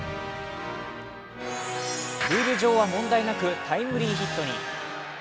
ルール上は問題なく、タイムリヒートに。